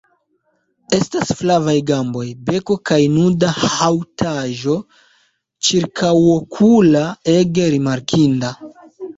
Estas flavaj gamboj, beko kaj nuda haŭtaĵo ĉirkaŭokula ege rimarkinda.